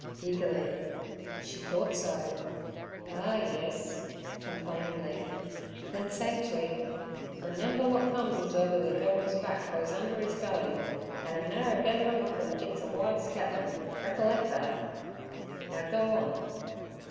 eagerly. She thought so. 'Ah yes' complainingly; then sagely, 'Renember w'at comes over the divil's back goes under 'is belly; an' a narrer getherin' often gits a wide scatterin'—reckerlec thet. Now go on.'